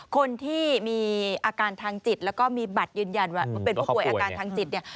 คนที่มีอาการทางจิตแล้วก็มีบัตรยืนยันว่าเป็นผู้ป่วยอาการทางจิตเนี่ย